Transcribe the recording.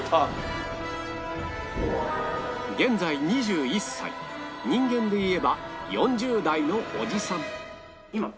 現在２１歳人間で言えば４０代のおじさん